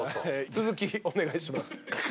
続きお願いします。